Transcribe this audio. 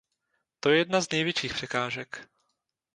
To je jedna z největších překážek.